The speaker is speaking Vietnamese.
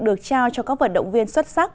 được trao cho các vận động viên xuất sắc